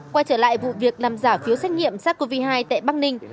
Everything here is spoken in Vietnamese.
quay trở lại vụ việc làm giả phiếu xét nghiệm sars cov hai tại bắc ninh